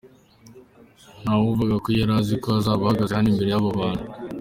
Nta wavuga ko yari azi ko azaba ahagaze hano imbere y’aba bantu.